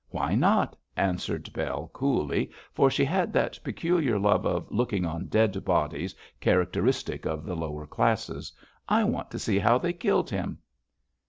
'Why not?' answered Bell, coolly, for she had that peculiar love of looking on dead bodies characteristic of the lower classes. 'I want to see how they killed him.'